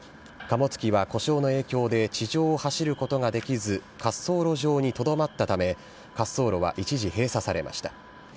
貨物機は故障の影響で地上を走ることができず、滑走路上にとどまったため、滑走路は一時閉鎖されました。